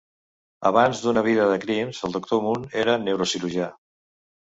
Abans d'una vida de crims, el Doctor Moon era neurocirurgià.